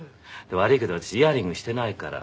「悪いけど私イヤリングしてないから」。